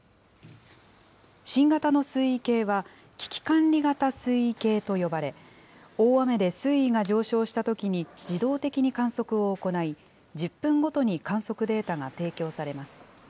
新型の水位計は、危機管理型水位計と呼ばれ、大雨で水位が上昇したときに、自動的に観測を行い、１０分ごとに観測データが提供されます。